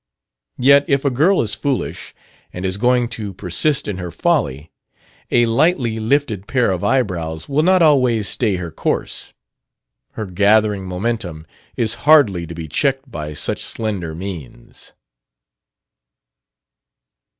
Yet if a girl is foolish, and is going to persist in her folly, a lightly lifted pair of eyebrows will not always stay her course. Her gathering momentum is hardly to be checked by such slender means.